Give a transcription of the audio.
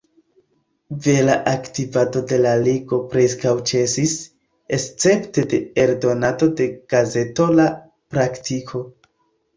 Vera aktivado de la Ligo preskaŭ ĉesis, escepte de eldonado de gazeto La Praktiko.